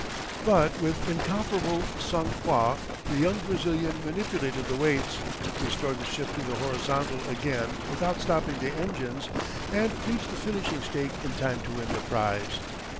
But with incomparable sang froid the young Brazilian manipulated the weights, restored the ship to the horizontal again without stopping the engines, and reached the finishing stake in time to win the prize.